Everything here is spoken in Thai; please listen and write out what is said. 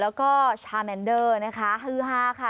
แล้วก็ชาแมนเดอร์นะคะฮือฮาค่ะ